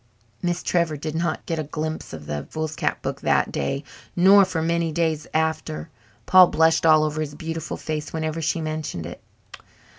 Miss Trevor did not get a glimpse of the foolscap book that day, nor for many days after. Paul blushed all over his beautiful face whenever she mentioned it.